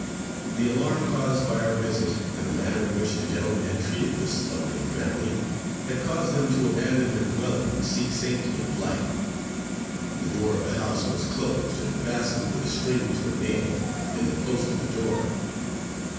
The alarm caused by our visit, and the manner in which the gentlemen had treated this lonely family, had caused them to abandon their dwelling, and seek safety in flight. The door of the house was closed and fastened with a string to a nail in the post of the door.